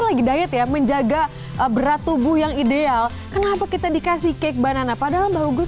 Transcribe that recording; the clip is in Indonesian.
lagi diet ya menjaga berat tubuh yang ideal kenapa kita dikasih cake banana padahal bagus